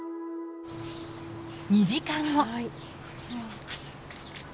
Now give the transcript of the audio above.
２時間後。